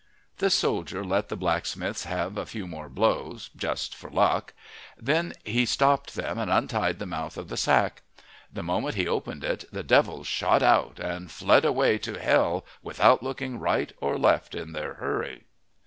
The soldier let the blacksmiths give a few more blows, just for luck. Then he stopped them, and untied the mouth of the sack. The moment he opened it, the devils shot out, and fled away to hell without looking right or left in their hurry.